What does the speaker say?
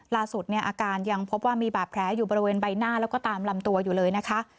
ล่าสุดเนี่ยอาการยังพบว่ามีบาดแผลอยู่บริเวณใบหน้าแล้วก็ตามลำตัวอยู่เลยนะคะ